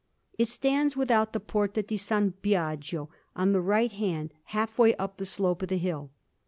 It stands without the Porta di S. Biagio, on the right hand, half way up the slope of the hill.